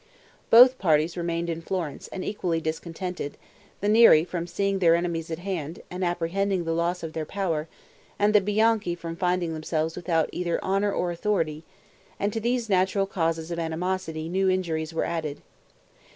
Both parties remained in Florence, and equally discontented; the Neri from seeing their enemies at hand, and apprehending the loss of their power, and the Bianchi from finding themselves without either honor or authority; and to these natural causes of animosity new injuries were added.